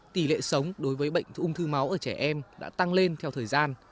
tỷ lệ sống đối với bệnh ung thư máu ở trẻ em đã tăng lên theo thời gian